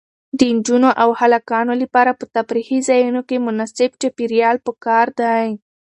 د نجونو او هلکانو لپاره په تفریحي ځایونو کې مناسب چاپیریال پکار دی.